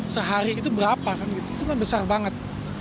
sehari itu berapa itu kan besar banget